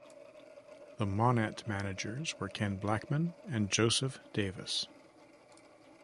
The Monett managers were Ken Blackman and Joseph Davis.